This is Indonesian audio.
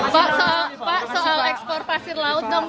pak soal ekspor pasir laut dong